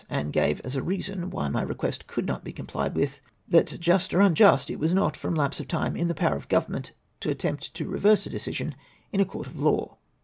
327 gave as a reason why my request could not be com plied with, that just, or unjust, it was not, from lapse of time, in the power of the Government to attempt to reverse a decision in a court of law.